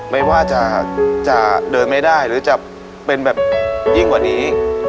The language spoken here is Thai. ไม่ว่าจะเดินไม่ได้หรือจะเป็นแบบยิ่งกว่านี้